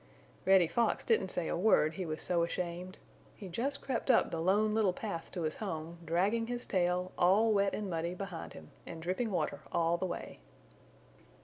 Reddy Fox didn't say a word, he was so ashamed. He just crept up the Lone Little Path to his home, dragging his tail, all wet and muddy, behind him, and dripping water all the way.